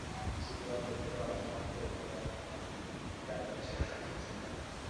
শুক্রবার প্রত্যেকের অবস্থা সম্পর্কে অনুমান করা যেতে পারে বলে জানালেন সেখানকার চিকিৎসকরা।